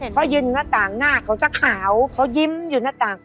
เขายืนหน้าต่างหน้าเขาจะขาวเขายิ้มอยู่หน้าต่าง